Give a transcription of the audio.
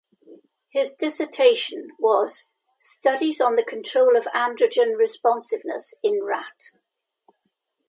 His dissertation was "Studies on the control of androgen responsiveness in rat".